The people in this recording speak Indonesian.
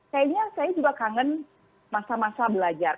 kayaknya saya juga kangen masa masa belajar